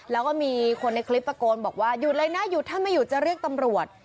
แล้วก็มีคนในคลิปตะโกนบอกว่าหยุดเลยนะหยุดถ้าไม่หยุดจะเรียกตำรวจ